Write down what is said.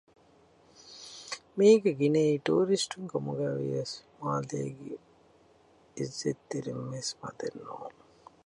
މީގައި ގިނައީ ޓޫރިސްޓުން ކަމުގައި ވިޔަސް މާލޭގެ އިއްޒަތްތެރިންވެސް މަދެއް ނޫން